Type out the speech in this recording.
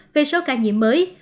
về số ca nhiễm mới